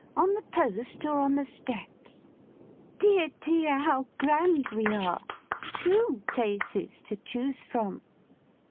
On the Post, or on the Steps? Dear, dear, how grand we are. Two places to choose from!